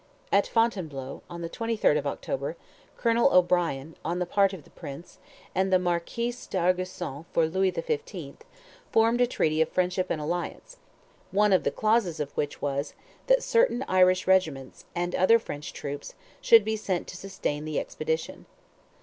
At Fontainebleau, on the 23rd of October, Colonel O'Brien, on the part of the prince, and the Marquis D'Argeusson for Louis XV., formed a treaty of "friendship and alliance," one of the clauses of which was, that certain Irish regiments, and other French troops, should be sent to sustain the expedition.